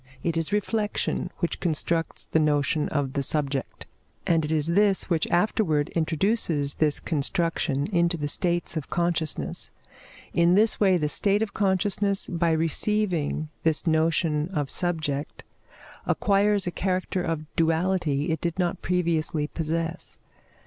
It is reflection which constructs the notion of the subject, and it is this which afterwards introduces this construction into the states of consciousness; in this way the state of consciousness, by receiving this notion of subject, acquires a character of duality it did not previously possess.